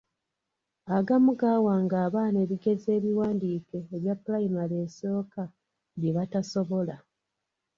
Agamu gaawanga abaana ebigezo ebiwandiike ebya pulayimale esooka bye batasobola.